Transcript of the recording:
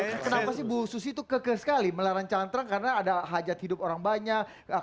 kenapa sih bu susi itu kekeh sekali melarang cantrang karena ada hajat hidup orang banyak